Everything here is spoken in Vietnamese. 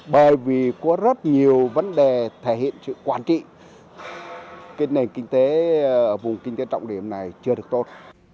bởi vì có rất nhiều vấn đề thể hiện sự quản trị cái nền kinh tế ở vùng kinh tế trọng điểm này chưa được tốt